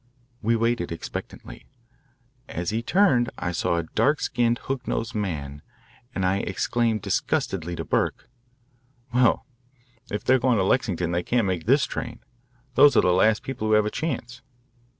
We waited expectantly. As he turned I saw a dark skinned, hook nosed man, and I exclaimed disgustedly to Burke: "Well, if they are going to Lexington they can't make this train. Those are the last people who have a chance."